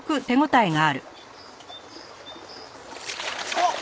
あっ！